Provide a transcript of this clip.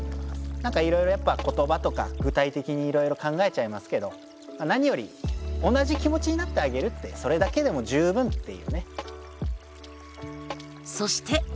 なんかいろいろやっぱ言葉とか具体的にいろいろ考えちゃいますけどなにより同じ気持ちになってあげるってそれだけでも十分っていうね。そして！